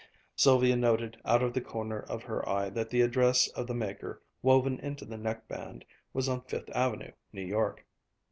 Sylvia noted out of the corner of her eye that the address of the maker, woven into the neckband, was on Fifth Avenue, New York.